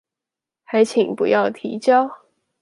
還請不要提交